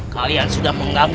kalian sudah mengambil air suci